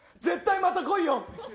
絶対また来いよ！